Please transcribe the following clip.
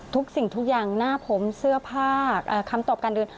สิ่งทุกอย่างหน้าผมเสื้อผ้าคำตอบการเดิน